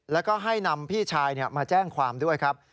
แล้วก็ให้นำพี่ชายมาแจ้งความด้วยครับ